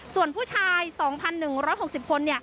ส่วนผู้ชาย๒๑๖๐คน